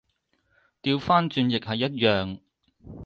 掉返轉亦係一樣